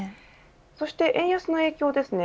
そして、円安の影響ですね。